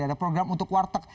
ada program untuk warteg